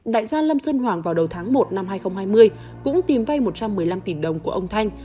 đại gia lâm sơn hoàng vào đầu tháng một năm hai nghìn hai mươi cũng tìm vay một trăm một mươi năm tỷ đồng của ông thanh